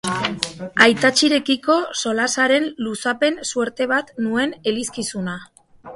Aitatxirekiko solasaren luzapen suerte bat nuen elizkizuna.